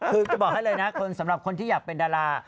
คือจะบอกให้เลยนะคนสำหรับคนที่อยากเป็นดารา